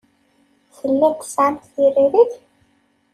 Tellamt tesɛamt tiririt?